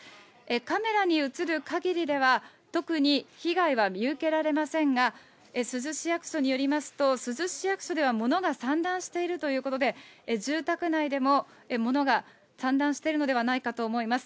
カメラに映るかぎりでは、特に被害は見受けられませんが、珠洲市役所によりますと、珠洲市役所ではものが散乱しているということで、住宅内でも物が散乱しているのではないかと思います。